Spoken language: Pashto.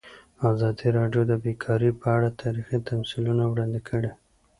ازادي راډیو د بیکاري په اړه تاریخي تمثیلونه وړاندې کړي.